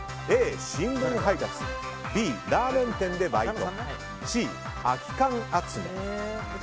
Ａ、新聞配達Ｂ、ラーメン店でバイトＣ、空き缶集め。